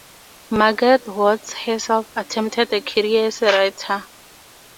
Margaret Watts herself attempted a career as a writer.